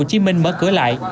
thành phố hồ chí minh mở cửa lại